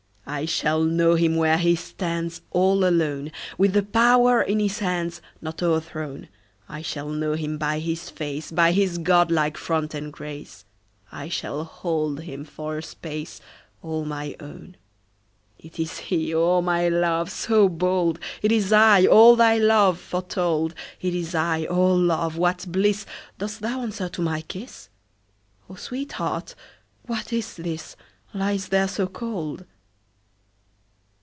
I shall know him where he stands All alone, 10 With the power in his hands Not o'erthrown; I shall know him by his face, By his godlike front and grace; I shall hold him for a space 15 All my own! It is he—O my love! So bold! It is I—all thy love Foretold! 20 It is I—O love, what bliss! Dost thou answer to my kiss? O sweetheart! what is this Lieth there so cold?